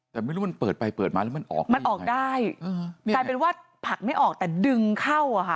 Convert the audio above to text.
แต่ไม่รู้มันเปิดไปเปิดมาแล้วมันออกมามันออกได้กลายเป็นว่าผลักไม่ออกแต่ดึงเข้าอ่ะค่ะ